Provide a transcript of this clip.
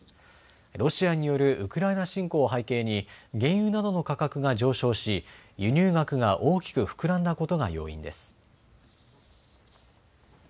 ロシアによるウクライナ侵攻を背景に原油などの価格が上昇し輸入額が大きく膨らんだことが要因です。